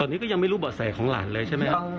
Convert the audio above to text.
ตอนนี้ก็ยังไม่รู้เบาะแสของหลานเลยใช่ไหม